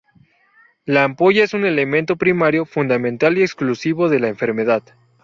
La ampolla es un elemento primario, fundamental y exclusivo de la enfermedad.